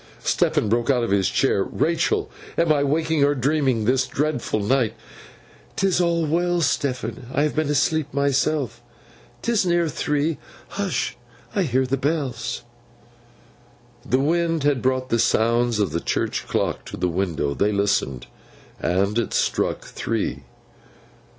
Stephen broke out of his chair. 'Rachael, am I wakin' or dreamin' this dreadfo' night?' ''Tis all well, Stephen. I have been asleep, myself. 'Tis near three. Hush! I hear the bells.' The wind brought the sounds of the church clock to the window. They listened, and it struck three.